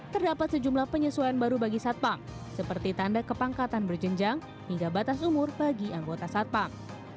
terdapat sejumlah penyesuaian baru bagi satpam seperti tanda kepangkatan berjenjang hingga batas umur bagi anggota satpam